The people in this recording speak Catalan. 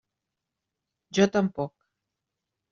Jo tampoc.